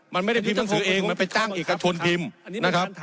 มันไม่ได้พิมพ์หนังสือเองมันไปจ้างเอกชนพิมพ์นะครับ